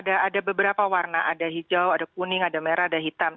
ada beberapa warna ada hijau ada kuning ada merah ada hitam